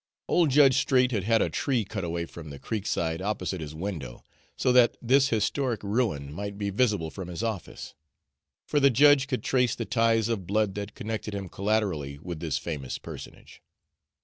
Old Judge Straight had had a tree cut away from the creek side opposite his window, so that this historic ruin might be visible from his office; for the judge could trace the ties of blood that connected him collaterally with this famous personage.